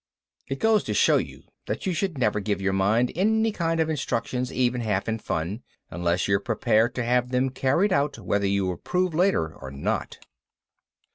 It goes to show you that you should never give your mind any kind of instructions even half in fun, unless you're prepared to have them carried out whether you approve later or not.